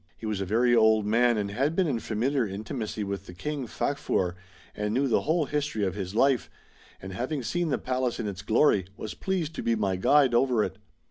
He was a very old man, and had been in familiar intimacy with the King Facfur, and knew the whole history of his life ; and having seen the Palace in its glory was pleased to be my guide over it.